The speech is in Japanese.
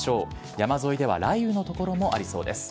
山沿いでは雷雨の所もありそうです。